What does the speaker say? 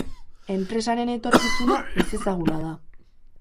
Enpresaren etorkizuna ezezaguna da.